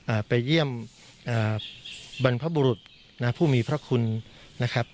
อ่าไปเยี่ยมอ่าบรรพบุรุษนะผู้มีพระคุณนะครับ